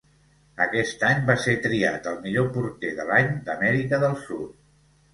Aquest any va ser triat el millor porter de l'any d'Amèrica del Sud.